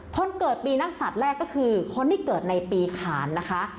คนเกิดปีนักศัตริย์แรกก็คือคนที่เกิดในปีขานนะคะ